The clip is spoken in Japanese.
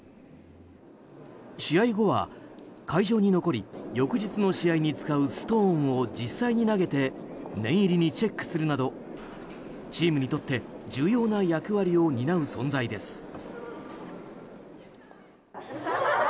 試合後は会場に残り翌日の試合に使うストーンを実際に投げて念入りにチェックするなどチームにとって重要な役割を担う存在です。